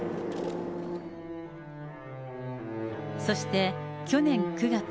そして去年９月。